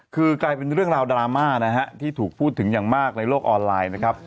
คือกลายเป็นเรื่องราวดราม่านะฮะที่ถูกพูดถึงอย่างมากในโลกออนไลน์นะครับ